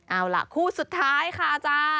เอาล่ะคู่สุดท้ายค่ะอาจารย์